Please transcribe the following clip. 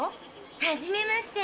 はじめまして。